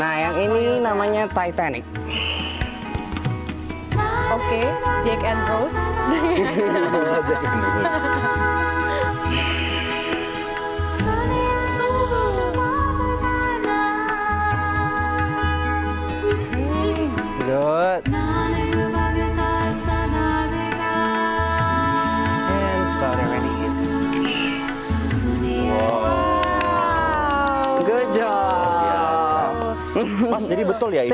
game ini apa namanya lintas usia ya tidak harus masih muda tetapi yang bisa kita right